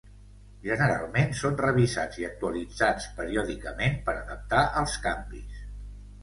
Generalment són revisats i actualitzats periòdicament per adaptar als canvis.